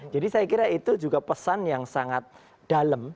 jadi saya kira itu juga pesan yang sangat dalam